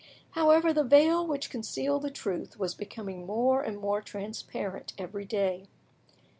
However, the veil which concealed the truth was becoming more and more transparent every day.